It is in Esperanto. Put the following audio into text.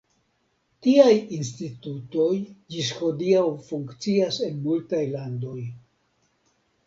Tiaj institutoj ĝis hodiaŭ funkcias en multaj landoj.